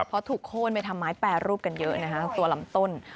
เพราะถูกโค้นไปทำไมแปรรูปกันเยอะนะฮะตัวลำต้น